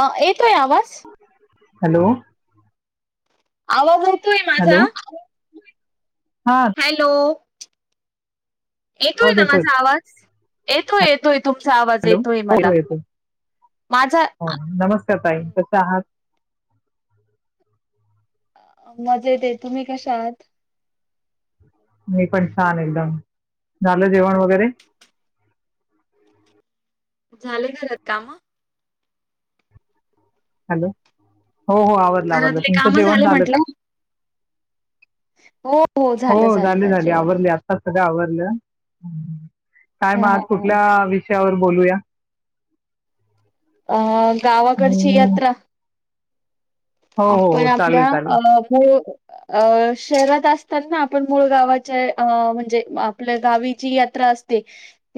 अ तोय आवज हॅलो. आवाज. येतोय माझा? हॅलो. हा हॅलो. एेतोय आवाज ना येतोय माझा आवाज येतोय येतोय. तुमचा आवाज हॅलो येतोय हो येतो मला येतो माझा हो नमस्कार ताई कसे आहात मज येत तुम्ही कशा आहात. म पण छान एकदम झालं जेवण वगैरे झाले घरात काम हॅलो हो हो आवडलं आवडलं घरातले तुमचं काम जेवण झाले झालंतग. म्हंटलं? हो. हो झालं झाले झालं झाली जेवण. आवरली आत्ता सगळं आवर. काय म हा हा आज हा कुठल्या विषयावर बोलूया अं गावाकडची हम्म, यात्रा हो हो आपण हो चालेल आपल्या चालेल अ अ शहरात असताना ना आपण मूळ गावाच्या म्हणजे आपल्या गावीची यात्रा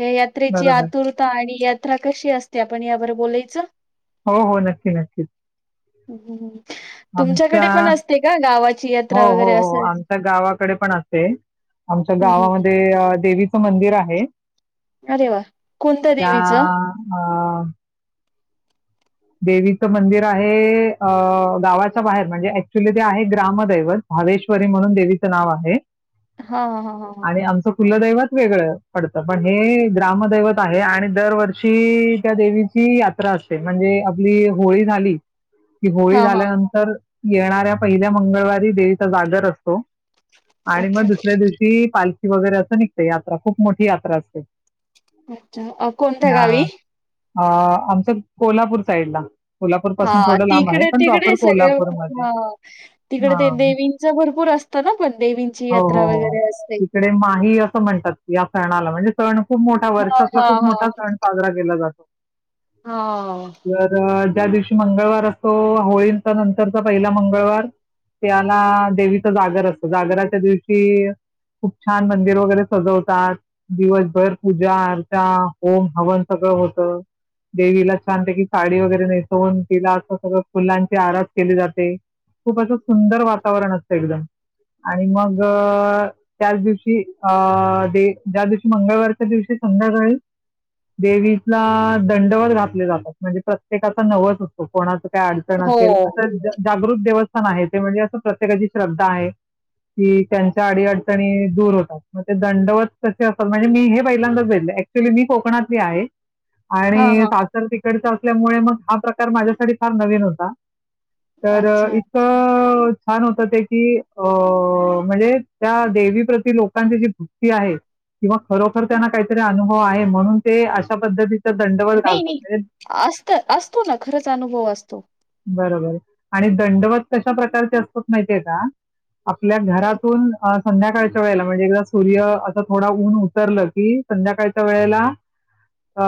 यात्रेची बरोबर आतुरता आणि यात्रा कशी असते आपण यावर बोलायच हो हो नक्की नक्की हं. आमच्या तुमच्याकडे पण असते का गावाची हो यात्रा हो वगैरे हो असं? आमच्या गावाकडे पण असे आमच्या हम्म हम्म गावामध्ये देवीचं मंदिर आहे अरे वा कोणतं त्या देवीच अ, देवीचं मंदिर आहे अ गावाच्या बाहेर म्हणजे ऍक्च्युली ते आहे ग्रामदैवत भावेश्वरी म्हणून देवीचं नाव आहे हा हा हा हा आणि आमचं कुलदैवत वेगळं पडत पण हे ग्रामदैवत आहे आणि दरवर्षी त्या देवीची यात्रा म्हणजे आपली होळी झाली की होळी हा हा झाल्यानंतर येणाऱ्या पहिल्या मंगळवारी देवीचा जागर असतो आणि अच्छा मग दुसऱ्या दिवशी पालखी वगैरे असं निघते यात्रा खूप मोठी यात्रा असते अच्छा अ कोणत्या ह्या, गावी अ आमच कोल्हापूर साईड ला हा तिकडे तिकडे सगळे कोल्हापूरमध्ये तिकडे ते हा देवींच भरपूर असत ना पण देवींची हो, यात्रा हो. हो. वगैरे असते तिकडे माही असं म्हणतात या सणाला म्हणजे सण खूप मोठा हां, वर्षातला हां, खूप मोठा सण साजरा केला जातो हा तर ज्या दिवशी मंगळवार असतो होळींचा नंतरचा पहिला मंगळवार त्याना देवीच जागर असत जागराच्या दिवशी खूप छान मंदिर वगैरे सजवतात दिवसभर पूजा अर्चा होम हवन सगळ होत देवीला छानत की साडी वगैरे नेसवून तिला असं सगळं फुलांची आराज केली जाते खूप असं सुंदर वातावरण असतं एकदम आणि मग त्याच दिवशी अ ज्या दिवशी मंगळवारच्या दिवशी संध्याकाळी देवीला दंडवत घातले जातात म्हणजे प्रत्येकाचा नवस असतो कोणाच काय अडचण हो. असेल अस जागृत दिवस आहे ते म्हणजे असं प्रत्येकाची श्रद्धा आहे की त्यांच्या अडी अडचणी दूर होतात मग ते दंडवत कसे असतात म्हणजे मी हे पहिल्यांदाच बेले क्च्युली मी कोकणातली आहे हां, आणि हां, हां. सासर तिकडचा असल्यामुळे मग हा प्रकार माझ्यासाठी फार नवीन होता तर अच्छा. इथं छान होत ते की अ म्हणजे त्या देवीप्रती लोकांची जी भक्ती आहे किंवा खरोखर त्यांना काहीतरी अनुभव आहे म्हणून ते अशा पद्धतीचा दंडवळ घालतात म्हणजे असत असतो ना खरंच अनुभव असतो बरोबर आणि दंडवत कशा प्रकारचे असतात माहिती आहे का आपल्या हं, घरातून संध्याकाळच्या वेळेला म्हणजे एकदा सूर्य असं थोडं ऊन उतरलं कि संध्याकाळच्या वेळेला अ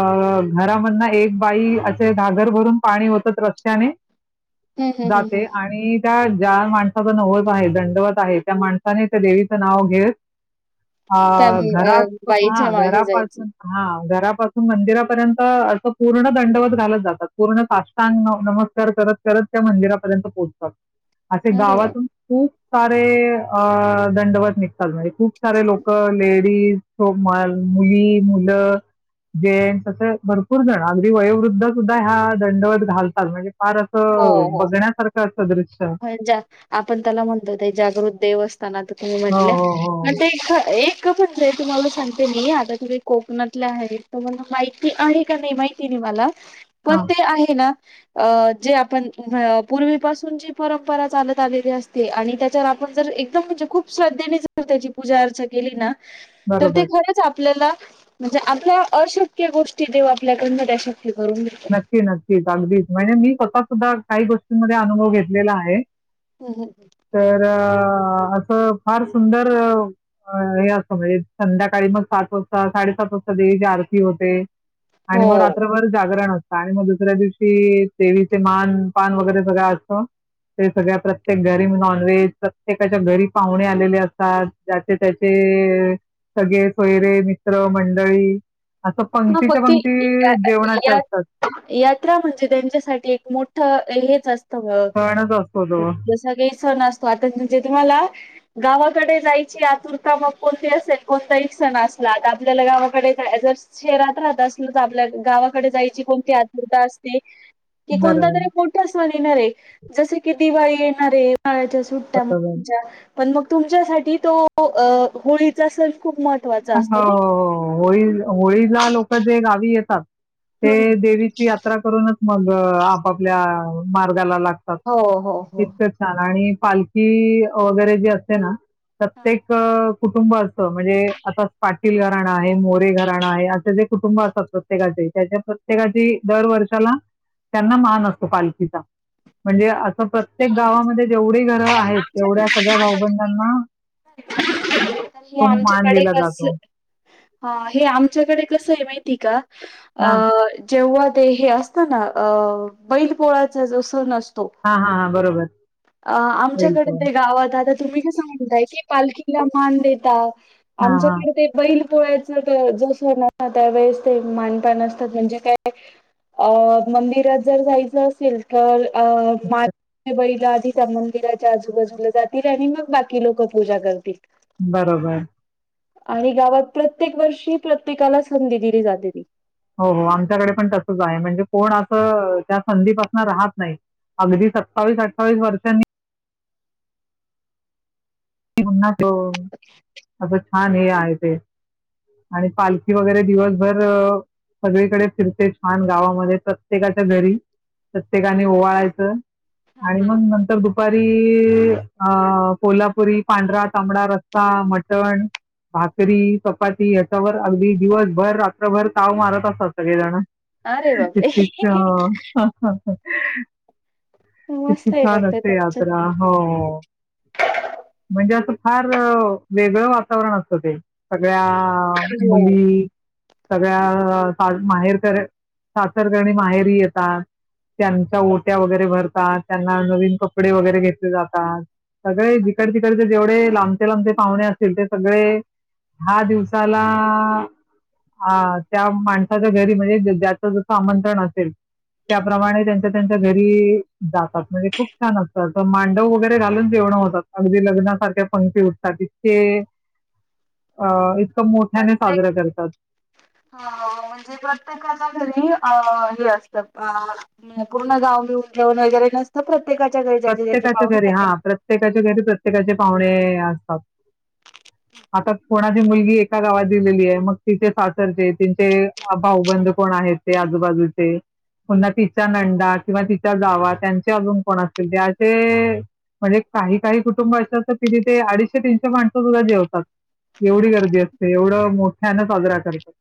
घरामधना एक बाई असे धागर भरून पाणी होतच रस्ते त्याने हं, हं, हं, हं. जाते आणि त्या ज्या माणसाचा नवत आहे दंडवत आहे त्या माणसाने त्या देवीचं नाव घेतेत अ त्या अ, घरात हा बाईच्या मागे जायचं. घरापासून हा घरापासून मंदिरापर्यंत असं पूर्ण दंडवत घालत जातात पूर्ण काष्टांग नमकार कर त्या मंदिरार्यंत पोतात अरे वाह! गावात खप दंडवत निघतात म्हजे खूप सारे लोक लेडीज मुली मी मुलं गेम्स अस भरपूर जण अगदी वयोवृद्ध सुद्धा ह्या दंडवत घालत [unintelligible] म्हणजे फार असं, बघण्यासारखं असतं दृश्य म्हणजा आपण त्याला म्हणतो ते जागृत देवस्थानात हो म्हटलं, हो हो [unintelligible] ते इथे एक इक पण जे तुम्हाला सांगते मी आता तुम्ही कोकणातले आहेत तुमाला माहिती आहे का नाही, माहिती नाही मला. पण हा ते आहे ना अ जे आपण अ पूर्वीपासून जे परंपरा चालत आलेली असते, आणि त्याच्यावर आपण जर एकदम, म्हणजे खूप श्रद्धेने जर त्याची पूजा अर्चा केली ना, तर बरोबर ते खरंच आपल्याला म्हणजे आपल्या अशक्य गोष्टी देव आपल्याकडन त्या शक्य करून देतो. नक्की, नक्कीच. अगदीच, म्हणजे मी स्वतः सुद्धा काही गोष्टींमध्ये अनुभव घेतलेला आहे. हं, हं, हं. तर आ असं फार सुंदर हे असत म्हणजे संध्याकाळी मग सात वाजता, साडेसात वाजता देवीची आरती होते, आणि मग हो. रात्रभर जागरण होते. आणि मग दुसऱ्या दिवशी, देवीचे मान- पान वगैरे सगळं असत. ते सगळ्या प्रत्येक घरी नॉनव्हेज, प्रत्येकाच्या घरी पाहुणे आलेले असतात, ज्याचे -त्याचे. ते सगळे सोयरे, मित्र मंडळी. असं हा मग पंक्तीच्या ते पंक्ती या जेवणाच्या या असतात. यात्रा म्हणजे त्यांच्यासाठी एक मोठं हेच असत. सगळं सणच असतो तो जसा काही सण असतो. आता म्हजे तुम्हाला गावात कडे जायची आतुरता मग कोणती असेल, कोणताही सण असला, आता आपल्याला गावाकडे जायचं अस शहरात राहत असल तर आपल्या गावाकडे जायची कोणती आतुरता असते. कि कोणता बरोबर तरी मोठा सण येणार आहे. जस की, दिवाळी येणार आहे. च्या सुट्ट्या बरोबर तुमच्या पण मग तुमच्यासाठी तो अ होळीचा सण खूप महत्त्वाचा ह ह असतो ह हो नाही. हो होळी होळीला लोक जे गावी येतात. ते हम्म. देवीची यात्रा करूनच, मग आपापल्या मार्गाला लाग तात हो हो हो. तितक छान आणि पालखी वगैरे जे असते ना हा प्रत्येक अ कुटुंब असंतं म्हणजे आता पाटील घराणं आहे, मोरे घराणं आहे, असे जे कुटुंब असतात प्रत्येकाचे, त्याच्या प्रत्येकाची दर वर्षाला त्यांना मान असतो पालखीचा म्हणजे प्रत्येक गावामध्ये जेवढी घरं आहेत तेवढ्या सगळ्या भावबंधांना ची आमच्याकडे आमच्याक कस माहिती का हा जेव्हा ते हे असत ना, अ बैल पोळाचा जो सण असतो हा हा. हा बरोबर अ आमच्याकडे वेलकम ते गावात आ तुम्ही कस म्हणताय, की पालखीला मान देता. हा हा आमच्याकडे ते बैल पोळा च जो सण असतो त्यावेेळेस ते मानपान असतो, म्हणजे काय? अ मंदिरात जर जायचं असेल, तर बळीला आधी त्या मंदिराच्या आजूबाजूला जातील, आणि मग बाकी लोक पूजा करतील. बरोबर. आणि गावात प्रत्येक वर्षी, प्रत्येकाला, संधी दिली जाते ती. हो हो. आमच्याकडे पण तसच आहे. म्हणजे कोण असं त्या संधी पासना राहत नाही. अगदी सत्तावीस- अठ्ठावीस वर्षांनी [unintelligible] माझं छान आहे हे आय ते आणि पालखी वगैरे दिवसभर अ सगळीकडे फिरते. छान गावामध्ये प्रत्येकाच्या घरी प्रत्येकाने ओवाळायचं. हां, आणि हां. मग नंतर दुपारी अ कोल्हापुरी, पांढरा, तांबडा, रस्सा मटण. भाकरी, चपाती ह्याच्यावर अगदी दिवसभर रात्रभर ताव मारत असतात सगळेजण. अरे बापरे! किती छा, ! किती मस्त आहे मग छान ते असते? तुमचं. यात्रा. हो. म्हणजे असं, फार वेगळं वातावरण, असतं ते. सगळ्या हो मुली.... सगळ्या माहेर सासर करणी माहेरी येतात.. त्यांच्या हो ओट्या वगैरे भरतात त्यांना नवीन कपडे वगैरे घेतले जातात सगळे... तिकड तिकडचे जेवढे लांबचे लांबते पाहुणे असतील ते सगळे... दहा दिवसाला... ह त्या माणसाच्या घरी म्हणजे ज्याच जसं आमंत्रण असेल. त्याप्रमाणे त्यांच्या त्यांच्या घरी जातात म्हणजे खूप छान असतात मांडव वगैरे घालून जेवणं होतात. अगदी लग्नासारख्या पंकती उठतात ततके... अं इतका मोठ्याने प्रत्येक साजरा करतात. म्हणजे प्रत्येकाचा घरी... हे असतं पूर्ण गाव बिऊन जेवन वगैरे नसतं प्रत... प्रत्येकाच्या घरी हा प्रत्येकाच्या घरी प्रत्येकाचे पाहुणे असतात. हम् आता कोणाची मुलगी एका गावात दिलेली आहे मग तिचे सासरचे तिचे भाऊबंध कोण आहेत. आजूबाजूची पुन्हा तिचा बघून नंदाकिंवा तिच्या जावा त्यां अजून को कोणाचे त्याचे म्हणजे काही काही कुटुंब असे असतं कि ते अडीचशे तीनशे माणसं सुद्धा जेवतात. एवढी गर्दी असते एवढं मोठ्यानं साजरा करतात.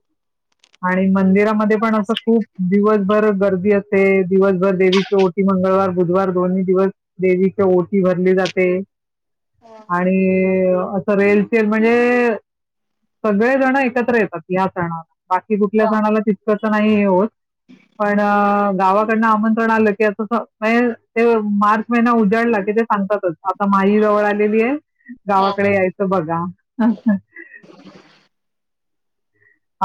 [unintelligible] आणि मंदिरामध्ये पण असं खूप दिवसभर गर्दी असते दिवसभर देवीची ओटी मंगळवार..... बुधवार दोन्ही दिवस देवीच्या ओटी भरली जाते. आणि असं रेलचेन म्हणजे... सगळे जण एकत्र येतात या सणाला... बाकी कुठल्या हा सणाला तितकं तर नाही हे होत पण... गावाकडनं आमंत्रण आलं की असं ते मार्च महिन्या उजाडला की ते सांगतात. आता माही जवळ आलेली आहे हा. गावाकडे यायचं बघा.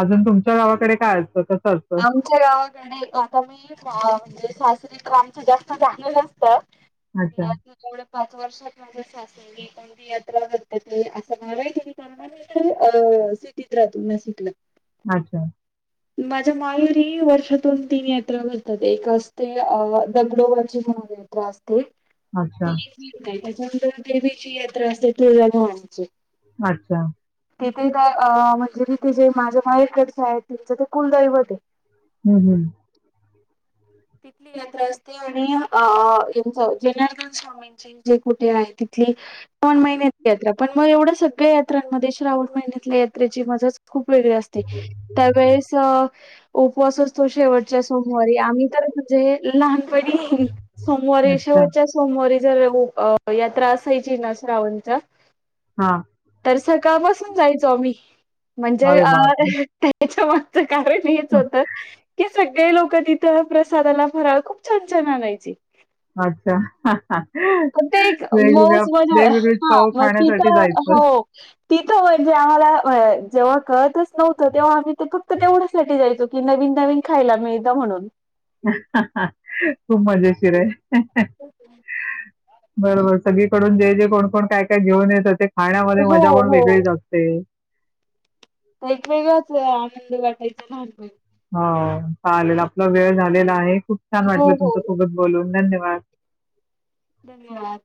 अजून तुमच्या गावाकडे काय असतं. कसं असतं आमच्या गावाकडे आता मी म्हणजे सासरी तर आमच जास्त चांगलं नसत. मी अच्छा आज एवढ पाच वर्षात माझे.... कोणती यात्रा करतात असं मारय क... अ सिटीत राहतो नाशिकला... अच्छा.... माझ्या माहेरी वर्षातून तीन यात्रा करतात एक असते दगडोबाची यात्रा... त अच्छा त्याच्यानंतर देवीची यात्रा असते तुळजाभवानीची. अच्छा... तिथे म्हणजे तिथे जे माझ्या माहेकडचे आहेत तिचं ते कुलदैवत आहे. हम्म हम् तिथली यंत्रा असते आणि अ यांच जनारदन स्वामींचे जे कुठे आहे. श्रावण महिन्यात यात्रा पण मग एवढ्या सगळ्या यात्रांमध्ये श्रावण महिन्यातल्या यात्रेची मजाच.... खूप वेगळे असते त्यावेेळेस उपवासच तो शेवटच्या सोमवारी आम्ही..... तर म्हणजे लहानपणी सोमवारी अच्छा शेवटच्या सोमवारी... जर यात्रा असायची श्रावणाचा.... हा... तर सकाळपासून जायचो मी म्हणजे अरे बापरे त्याच्या... मागचं कारण हेच होत की सगळे लोक तिथं... प्रसादाला भराव खूप छान छान आणायची.. अच्छा पण ते एक वेगवेगळ्या मौज मजा वेगवेगळ्या हां, चव मग खाण्यासाठी तिथं जाय... हो तिथ.. म्हंजे आम्हाला जेव्हा कळतच नव्हत तेव्हा आम् ते फक्त तेवण्यासाठी जायचो की नवीन नवीन.... जायला मिळत म्हणून... खूप मजेशीर ये बरोबर सगळीकडून जे जे कोणकोण काय काय घेऊन येतं ते खाण्यामध्ये हो, मजा पण हो. वेगळीच असते. एक वेगळाच आनंद वाटायचं लहानपणी हो चालेल आपला वेळ झालेला आहे खूप छान हो, वाटलं हो. तुमच्या सोबत बोलून धन्यवा वाद धन्यवाद.